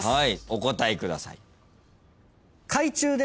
お答えください。